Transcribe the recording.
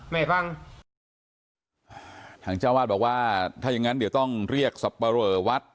ทางเจ้าบาทบอกว่าถ้ายังงั้นเดี๋ยวต้องเรียกสับปะเลอวัด